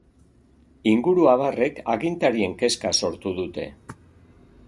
Inguruabarrek agintarien kezka sortu dute.